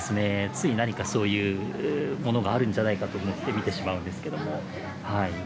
つい何かそういうものがあるんじゃないかと思って見てしまうんですけども。